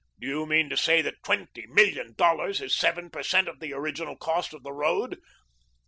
Do you mean to say that twenty million dollars is seven per cent. of the original cost of the road?"